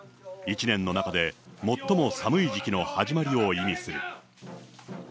一年の中で最も寒い時期の始まりを意味する。